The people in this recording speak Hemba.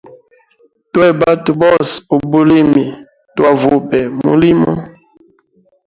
Twene batwe bose ubulimi twavube mulimo.